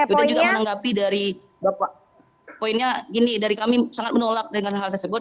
sudah juga menanggapi dari bapak poinnya gini dari kami sangat menolak dengan hal tersebut